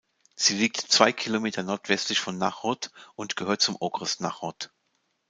Sie liegt zwei Kilometer nordwestlich von Náchod und gehört zum Okres Náchod.